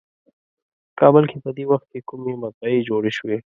په کابل کې په دې وخت کومې مطبعې جوړې شوې.